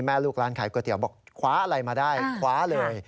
ลูกร้านขายก๋วยเตี๋ยวบอกคว้าอะไรมาได้คว้าเลย